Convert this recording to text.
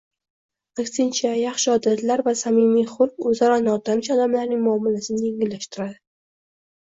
Aksincha, yaxshi odatlar va samimiy xulq o‘zaro notanish odamlarning muomalasini yengillashtiradi